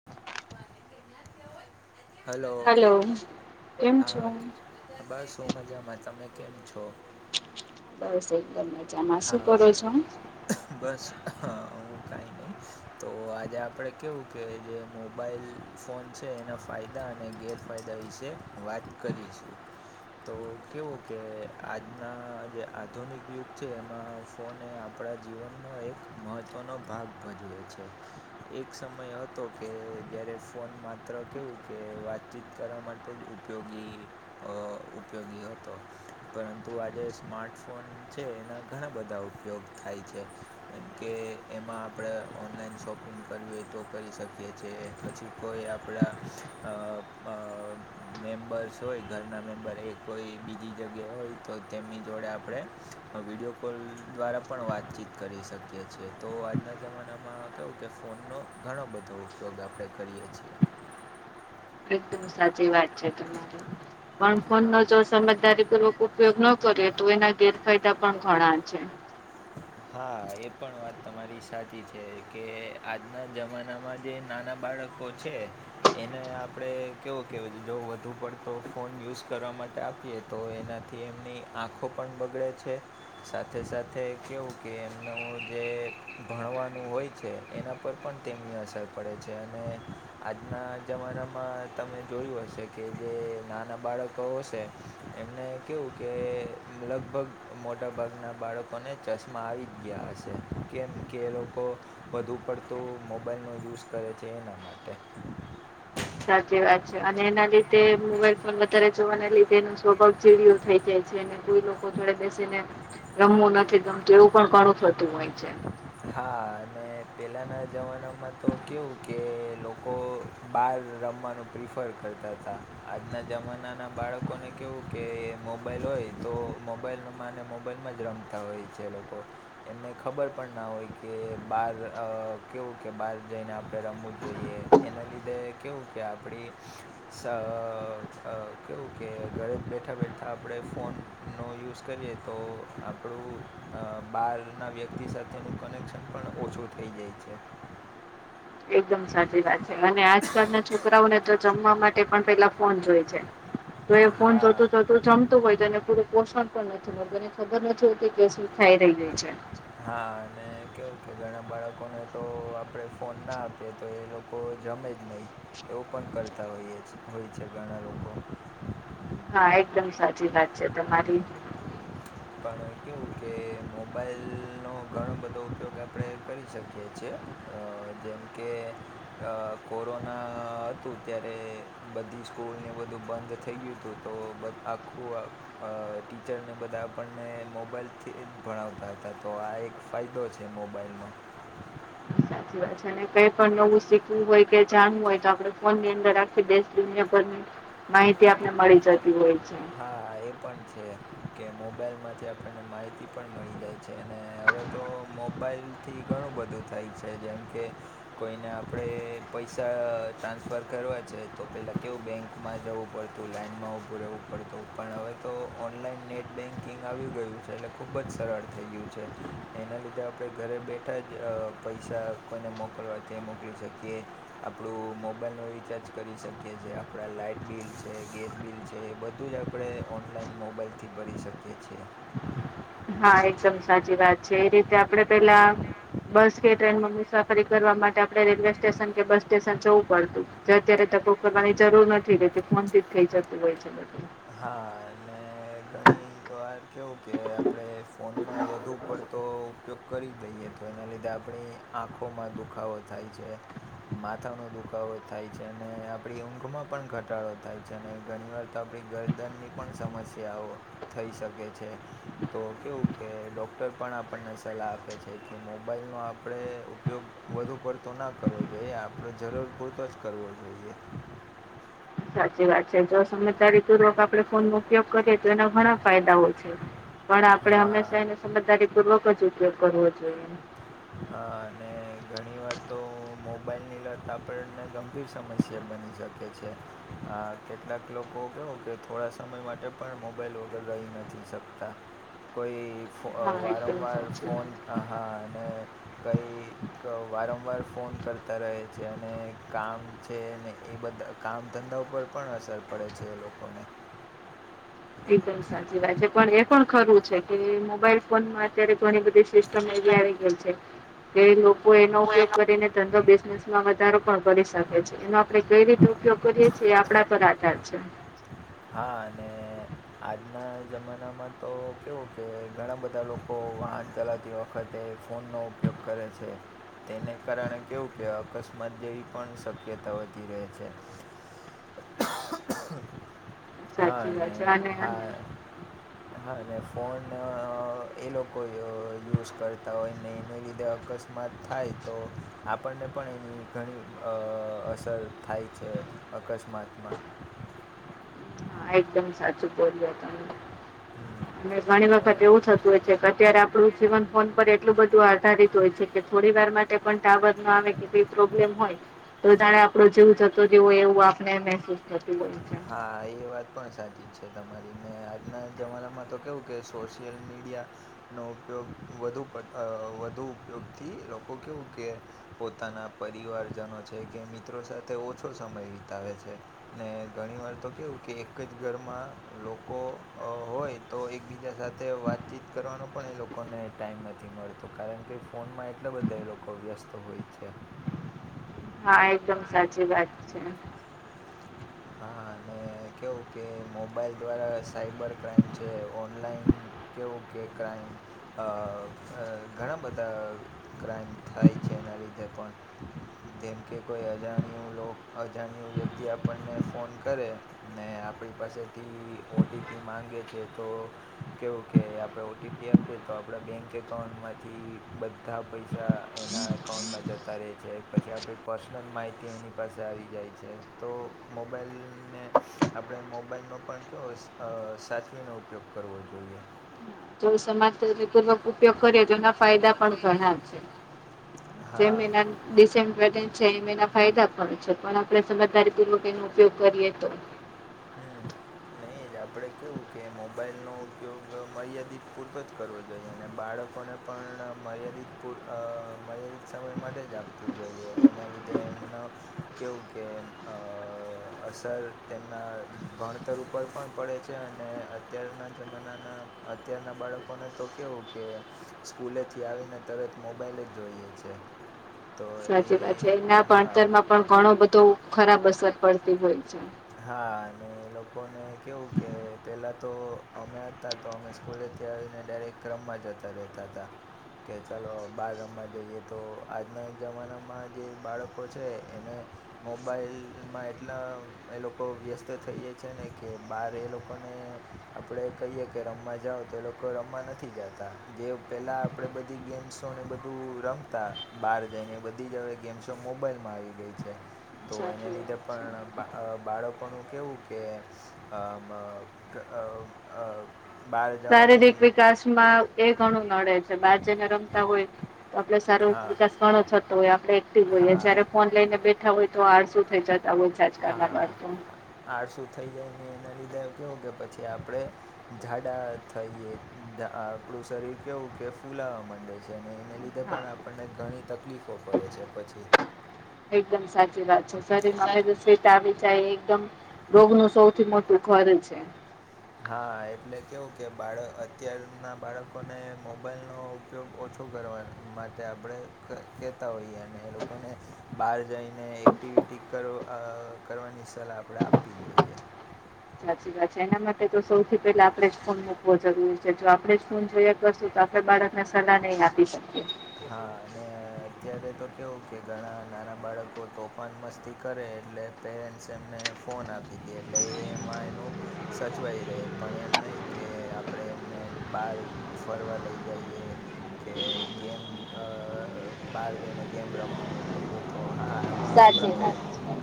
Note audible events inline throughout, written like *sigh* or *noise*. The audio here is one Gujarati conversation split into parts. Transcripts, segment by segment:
*inaudible* હલો કેમ છો હા બસ હું મજામાં તમે કેમ છો? બસ એકદમ મજામાં, શું કરો હા છો? બસ હું કાંઈ નહીં. તો આજે આપડે કેવું કે જે મોબાઈલ ફોન છે એના ફાયદા અને ગેર ફાયદા વિશે વાત કરીશું. તો કેવું કે આજના જે આધુનિક યુગ છે એમાં ફોન એ આપણા જીવનનો એક મહત્ત્વનો ભાગ ભજવે છે. એક સમય હતો કે જ્યારે ફોન માત્ર કેવું કે વાત ચીત કરવા માટે જ ઉપયોગી અ ઉપયોગી હતો. પરંતુ આજે સ્માર્ટફોન છે એના ઘણા બધા ઉપયોગ થાય છે જેમ કે એમાં આપણે ઓનલાઈન શોપ પિંગ કરવી હોય તો કરી શકીએ છે પછી કોઈ આપળા અ અ મેમ્બર્સ હોય ઘરના મેમ્બર એ કોય બીજી જગ્યાએ હોય તો તેમની જોડે આપડે વિડીયો કોલ દ્વારા પણ વાતચીત કરી શકીએ છીએ તો આજના જમાનામાં કેવું કે ફોનનો ઘણો બધો ઉપયોગ આપણે કરીએ છીએ. એકદમ સાચી વાત છે તમારે પણ ફોન નો હા જો સમજદારીપૂર્વક ઉપયોગ ન કરીએ તો એના ગેરફાયદા પણ ઘણા છે. હા એ પણ વાત તમારી સાચી છે કે આજના જમાનામાં જે નાના બાળ કો છે એને આપડે કેવું કહેવાય છે જો વધુ પડતો ફોન યુઝ કરવા માટે આ પીએ તો એનાથી એમની આંખો પણ બગડે છે સાથે સાથે કેવું કે એમનું જે ભણવાનું હોય છે એના પર પણ તેમની અસર પડે છે અને આજના જમાનામાં તમે જોયું હશે કે જે નાના બાળકો હશે એમને કેવું કે લગભગ મોટા ભાગના બાળકોને ચશ્મા આવી જ ગયા હશે કેમ કે એ લોકો વધુ પડતું મોબાઈલનો યુઝ કરે છે એના માટે. સાચી વાત છે અને એના લીધે મોબાઈલ ફોન વધારે જોવાને લીધે એનો સ્વભાવ ચીડ્યો થઈ જાય છે. જેને કોઈ લોકો જોડે બેસીને રમવું નથી ગમતું એવું પણ ઘણું થતું હોય છે. હા અને પહેલાના જમાનામાં તો કેવું કે લોકો બાર રમવાનું પ્રિફર કરતા હતા આજના જમાનાના બાળકોને કહેવું કે મોબાઈલ હોય તો મોબાઈલમાંને મોબાઈલમાં જ રમતા હોય છે એ લોકો એમને ખબર પણ ના હોય કે બાર અ કેવું કે બહાર જઈને આપડે રમવું જોઈએ એના લીધે કેવું કે આપડી સ અ કેવું કે ઘરે જ બેઠા બેઠા આપડે ફોન નો યુઝ કરીએ તો આપડુ બહારના વ્યક્તિ સા થે નું કનેક્શન પણ ઓછું થઈ જાય છે. એકદમ સાચી વાત છે અને આજકાલના છોકરાઓને જમવા માટે પણ પેલા ફોન જોય છે તો એ ફોન જોતો હા જોતું જમ- તું હોય તો એને પૂરું પોષણ પણ નથી મળતું એને ખબર નથી હોતી કે એ શું ખાઈ રહ્યું છે. હા અને કેવું કે ઘણા બાળકોને તો આપણે ફોન ના આપીએ તો એ લો કો જમે જ નહીં એવું પણ કરતા હોઈએ છે હોય છે ઘણા લોકો હા એકદમ સાચી વાત છે તમારી. હમ પણ કેવું કે મોબાઈલનો ઘણો બધો ઉપયોગ આપડે કરી શકીએ છે અ જેમ કે કોરોના હતું ત્યારે બધી સ્કૂલને એ બધું બંધ થઈ ગયું હતું તો બ આખું આ ટીચરને બધા આપણને મોબાઈલથી જ ભણાવતા હતા તો આ એક ફાયદો છે મોબાઈલનો સાચી વાત છે અને કઈ પણ નવું શીખવું હોય કે જાણવું હોય તો આપડણે ફોન ની અંદર રાખી દેશ દુનિયા ભર ની માહિતી આપને મળી જતી હોય છે. હા એ પણ છે. કે મોબાઈલમાંથી આપણને માહિતી પણ મળી જાય છે અને હવે તો મોબાઈલ થી ઘણું બધું થાય છે જેમ કે કોઈને આપડે પૈસા અહ ટ્રાન્સફર કરવા છે તો પેલા કેવું બેંકમાં જવું પડ તું લાઈનમાં પડતું રહેવું પડતું પણ હવે તો ઓનલાઈન નેટ બેન્કિંગ આવી ગયું છે એટલે ખૂબ જ સરળ થઈ ગયું છે એના લીધે આપણે ઘરે બેઠા જ અહ પૈસા કોઈને મોકલવા તે મોકલી શકીએ. આપડું મોબાઈલ નું રિચાર્જ કરી શકીએ છીએ આપડા લાાઈટ બિલ જે ગેસ બિલ છે એ બધું જ આપડે ઓનલાઈન મોબાઈલથી ભરી શકીએ છીએ. હા, એકદમ સાચી વાત છે એ રીતે આપડે પેલા બસ કે ટ્રેન માં મુસાફરી કરવા માટે આપડે રેલવે સ્ટેશન કે બસ સ્ટેશન જવું પડ જો અત્યારે તકરની જરૂર નથી રેતી ફોન થી જ થઈ જતું હોય છે બધું. હા, અને ઘણી વાર કેવું કે આપડે ફોનનો વધુ પડતો ઉપયોગ કરી દઈએ તો એના લીધે આપણી આંખોમાં દુખાવો થાય છે. માથાનો દુખાવો થાય છે અને આપડી ઊંઘમાં પણ ઘટાડો થાય છે અને ઘણી વાર તો આપ ડી ગરદનની પણ સમસ્યાઓ થઈ શકે છે. તો કેવું કે ડૉક્ટર પણ આપણને સલાહ આપે છે કે મોબાઈલનો આપડે ઉપયોગ વધુ પડતો ના કરવો જોઈએ આપડે જરૂર પૂરતો જ કરવો જોઈએ. સાચી વાત છે જો સમજ તારીતું રોક આપડે ફોન મો ઉપયોગ કરીએ તો એના ઘણા ફાયદાઓ છે પણ આપડે હા હંમેશા એને સમજદારી પૂર્વક જ ઉપયોગ કરવો જોઈએ. હા અને ઘણીવાર તો મોબાઈલની લત આપણને ગંભીર સમસ્યા બની શ કે છે. હા કેટલાક લોકો કેવું કે થોડા સમય માટે પણ મોબાઈલ વગર રહી નથી શકતા. કોઈ ફો અહ હા એકદમ વારંવાર સાચી ફોન વાત. હા અને કઈ ક વારંવાર ફોન કરતા રહે છે અને કામ છે ને એ બધા કામ ધંધા ઉપર પણ અસર પડે છે એ લોકોને. એકદમ સાચી વાત છે પણ એ પણ ખરું છે કે મોબાઈલ ફોનમાં અત્યારે ઘણી બ ધી સિસ્ટમ આવી એવી આઈ ગઈ છે કે લોકો એનો ઉપયોગ કરીને ધંધો બિનેસમાં વધરો પણ કરી શકે છે એનો આપડે કઈ રીતે હા ઉપયોગ કરીએ છીએ એ આપડા પર આધાર છે. હા અને આજના જમાનામાં તો કેવું કે ઘણા બધા લોક કો વાહન ચલાવતી વખતે ફોનનો ઉપયોગ કરે છે. તેને કારણે કેવું કે અકસ્માત જેવી પણ શક્યતા વધી રહે છે. હા સાચી અને વાત છે હા હા હા અને ફોન અહ લોકો યુઝ કરતા હોય ને એને લીધે અકસ માં થાય તો આપણને પણ એની ઘણી અહ અસર થાય છે. અકસ્માતમાં. હા, એકદમ સાચું બોલ્યા તમે. હમ્મ. અને ઘણી વખત એવું થતું હોય છે કે અત્યારે આપડું જીવન ફોન પર એટલું બધું આધારિત હોય છે કે થોડી વારમાં તે પણ તા બાત માં આવે કે પ્રોબ્લેમ હોય તો જાણે આપડો જીવ જતું રયુ એવું આપને મહેસૂસ થતું હોય છે. હા એ વાત પણ સાચી છે તમારી ને આજના જમાનામાં તો કેવું કે સોશિયલ મીડિયા નો ઉપયોગ વધુ પ અહ વધુ ઉપયોગથી લોકો કેવું કે પોતાના પરિવારજનો છે કે મિત્રો સાથે ઓછો સમય વિતાવે છે. ને ઘણી વાર તો કેવું કે એક જ ઘરમાં લોકો અહ હોય તો એકબીજા સાથે વાતચીત કરવાનો પણ એ લોકોને ટાઈમ નથી મળતો કારણ કે ફોનમાં એટલા બધા એ લોકો વ્યસ્ત હોય છે. હા, એકદમ સાચી વાત છે. હા, અને કેવું કે મોબાઈલ દ્વારા સાઈબર ક્રાઈમ છે ઓનલાઈન કેવું કે ક્રાઇમ અ ઘણા બધા ક્રાઈમ થાય છે, એના લીધે પણ જેમ કે કોઈ અજાણ્યું, અજાણ્યું વ્યક્તિ આપણને ફોન કરે, ને આપણી પાસેથી ઓટીપી માગે છે. તો કેવું કે આપણે ઓટીપી આપીએ તો, આપણા બેંક એકાઉન્ટમાંથી બધ બધા પૈસા એના એકાઉન્ટમાં જતા રહે છે. પછી આપણી પર્સનલ માહિતી એની પાસે આવી જાય છે. તો મોબાઈલને આપણે મોબાઈલનો પણ કયો સાચવીને ઉપયોગ કરવો જોઈએ. જો. *unintelligible* ઉપયોગ કરીએ, જેના ફાયદા પણ ઘણા છે. હા જેમીના ડિસેમ્બર છે. એમ એના ફાયદા પણ છે, પણ આપે સમજદારીપૂર્વક એનો ઉપયોગ કરીએ. તો હ નહીં જ આપણે કેવું કે મોબાઈલનો ઉપયોગ મર્યાદિત પૂરતો જ કરવો જોઈએ અને બાળકોને પણ મર્યાદિત પૂર, મર્યાદિત સમય માટે જ આપવું જોઈએ. એના લીધે એમનો કેવું કે અસર તેમના ભણતર ઉપર પણ પડે છે અને અત્યારના જમાનાના અત્યારના બાળકોને તો કેવું કે સ્કૂલેથી આવીને તરત મોબાઈલ જ જોઈએ છે. તો એ સાચી વાત છે. એના હા ભણતરમાં પણ ઘણો બધો ખરાબ અસર પડતી હોય છે. હા, અને લોકોને કેવું કે પેલા તો અમે હતા તો, અમે સ્કૂલેથી આવીને ડાયરેક્ટ ક્રમમાં જતા રહેતા હતા. કે ચાલો બાર ગમવા જઈએ તો, આજના જમાનામાં જે બાળકો છે. એને મોબાઈલમાં એટલા એ લોકો વ્યસ્ત થઈએ છે ને કે બહાર એ લોકોને આપણે કહીએ, કે રમવા જાઓ તો એ લોકો કો રમવા નથી જતા. જે પહેલા આપણે બધી ગેમ્સોને બધું રમતા. બહાર જઈને એ બધી જ હવે, ગેમ્સો મોબાઈલમાં આવી ગઈ છે, તો એને સાચી લીધે વાત છે. પણ બા બાળકોનું કેવું કે બહાર શારીરિક જવાની વિકાસમાં એ ઘણું નડે છે બહાર જઈને રમતા હોય, તો આપડ સારો વિકાસ ઘણો થતો હોય હા આપણે હા જયારે ફોન લઈને બેઠા હોય તો આળસુ થઈ જતા હોય. આજકાલના બાળકો હા, આળસું થઈ જાય, ને એના લીધે કેવું કે પછી આપણે જાડા થઈએ આપડું શરીર કેવું કે ફૂલાવા માંડે છે. છે અને એને લીધે હા પણ આપણને ઘણી તકલીફો પડે છે પછી એકદમ સાચી વાત છે શરીરમાં જામી જાય એકદમ, રોગનું સૌથી મોટું ઘર જ છે. હા, એટલે કેવું કે બાળક, અત્યારના બાળકોને મોબાઈલનો ઉપયોગ ઓછો કરવા માટે આપણે કહેતા હોઈએ અને એ લોકોને બહાર જઈને એક્ટિવિટી કરવાની સલાહ આપણે આપવી જોઈએ. સાચી વાત છે. એના માટે તો સૌથી પહેલા આપડે જ ફોન મૂકવો જરૂરી છે જો આપણે જ ફોન જોયા કરશું તો તો બાળકને સલાહ નહી આપી શકીએ. હા, અને અત્યારે તો કેવું કે ઘણા નાના બાળકો તોફાન મસ્તી કરે એટલે- પેરેન્ટ્સે એમને ફોન આપી દી, એટલે એમાં એનું સચવાય રહે, પણ એમ નહ કે આપણેે એમને બાર ફરવા લઈ જઈએ. કે ગેમ બહાર જઈને ગેમ રમવાનું કહીએ તો હા. આમાં આપણા પે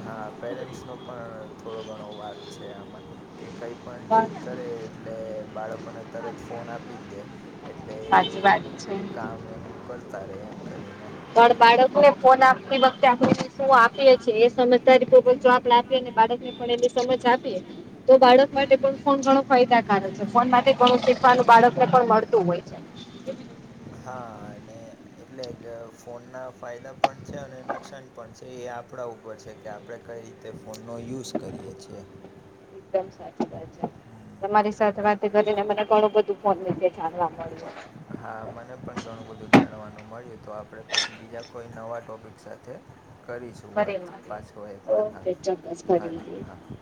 હા, પેરેન્ટ્સનો પણ થોડો ઘણો વાક છે આમાં કે કંઈ પણ જીત કરે એટલે બાળકોને તરત ફોન આપી જ દે એટલે સાચી વાત એ છે. કામ એનું કરતા રે એમ કરીને પણ બાળકોએ ફોન આપતી વખતે આપણે શું આપી છીએ એ સમજદારીપૂર્વક જોબ *inaudible* પણ એની સમજ આપી. તો બાળક માટે પણ ફોન ઘણો ફાયદાકારક છે ફોન માટે ઘણું શીખવાનું બાળકને પણ મળતું હોય છે. હા અને એટલે જ ફોન ના ફાયદા પણ છે અને નુકસાન પણ છે એ આપણા ઉપર છે કે આપડે કઈ રીતે તે ફોનનો યુઝ કરીએ છીએ. એકદમ સાચી વાત છે. તમારી સાથે વાત કરીને મને ઘણું બધું ફોન વિશે જાણવા મળ્યું. હા મને પણ ઘણું બધું જાણવાનું મળ્યું તો આપણે પછી બીજા કોઈ નવા ટોપિક સાથે કરીશું ફરી મળીએ વાત ઓકે ચોક્કસ ફરી મળીએ *inaudible*